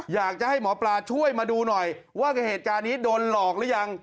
อยากจะให้หมอปลาช่วยมาดูหน่อยว่าเหตุการณ์นี้โดนหลอกหรือยัง